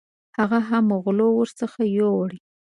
هغه هم غلو ورڅخه یوړې.